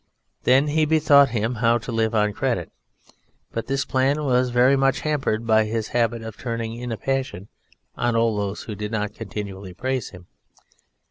Then he bethought him how to live on credit, but this plan was very much hampered by his habit of turning in a passion on all those who did not continually praise him.